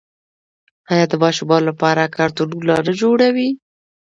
آیا د ماشومانو لپاره کارتونونه نه جوړوي؟